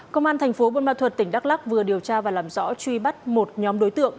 công an thành phố buôn ma thuật tỉnh đắk lắc vừa điều tra và làm rõ truy bắt một nhóm đối tượng